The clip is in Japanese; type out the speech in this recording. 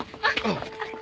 あっ！